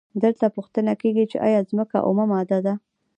دلته پوښتنه کیږي چې ایا ځمکه اومه ماده ده؟